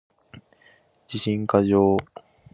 自信過剰